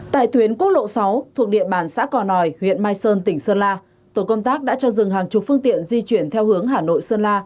tại tuyến quốc lộ sáu thuộc địa bàn xã cò nòi huyện mai sơn tỉnh sơn la tổ công tác đã cho dừng hàng chục phương tiện di chuyển theo hướng hà nội sơn la